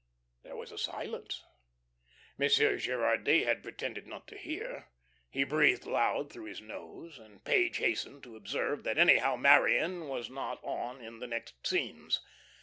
There was a silence. Monsieur Gerardy had pretended not to hear. He breathed loud through his nose, and Page hastened to observe that anyhow Marion was not on in the next scenes.